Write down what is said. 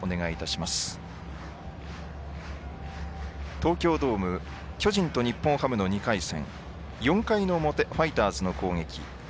東京ドーム、巨人と日本ハムの２回戦４回の表ファイターズの攻撃。